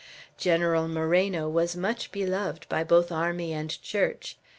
General Moreno was much beloved by both army and Church.